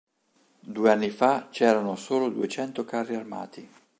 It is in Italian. Due anni fa c'erano solo duecento carri armati.